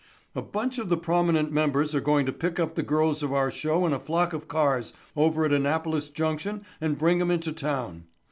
A bunch of the prominent members are going to pick up the girls of our show in a flock of cars over at Annapolis Junction and bring 'em into town.